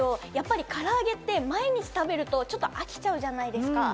やっぱり唐揚げって毎日食べるとちょっと飽きちゃうじゃないですか。